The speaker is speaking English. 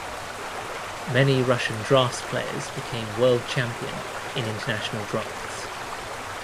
Many Russian draughts players became world champion in International draughts.